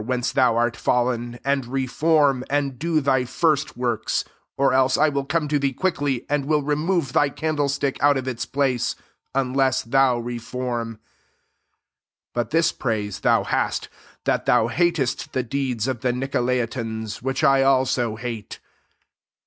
34 whence thou art fallen, and re form, and do thy first works £ or else I will come to thee \_quickly^^ and will remove thy candlestick out of its place, unless thou reform. 6 But this firaise thou hast, that thou hatest the deeds of the Nicol aitans, which I also hate.'